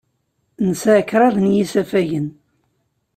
Nesɛa kraḍ n yisafagen.